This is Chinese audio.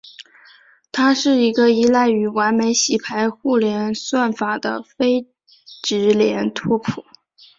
它是一个依赖于完美洗牌互联算法的非直连拓扑。